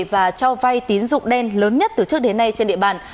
và cho vay tín dụng đen lớn nhất từ trước đến nay trên địa bàn